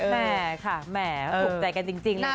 แหม่คุกใจกันจริงเลยนะ